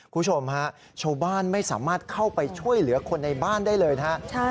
คุณผู้ชมฮะชาวบ้านไม่สามารถเข้าไปช่วยเหลือคนในบ้านได้เลยนะครับ